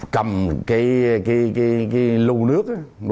cầm cái lưu nước đó